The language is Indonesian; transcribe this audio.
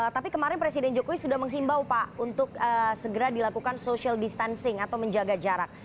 tapi kemarin presiden jokowi sudah menghimbau pak untuk segera dilakukan social distancing atau menjaga jarak